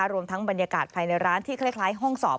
รวมทั้งบรรยากาศภายในร้านที่คล้ายห้องสอบ